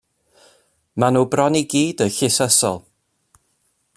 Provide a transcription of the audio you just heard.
Maen nhw bron i gyd yn llysysol.